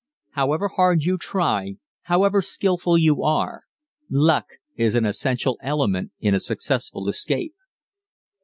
However hard you try, however skilful you are, luck is an essential element in a successful escape.